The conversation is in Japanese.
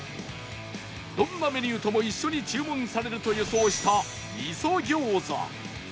どんなメニューとも一緒に注文されると予想した味噌餃子